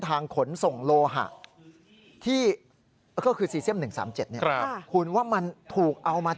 ต้องปล่อยเรื่อย